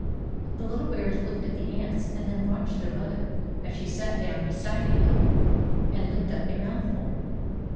The little bears looked at the ants and then watched their mother as she sat down beside a hill and licked up a mouthful.